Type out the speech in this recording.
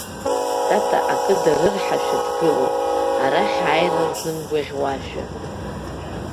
Тата акы дарырҳашәа дгылан, арахь ааира лзымгәаӷьуашәа.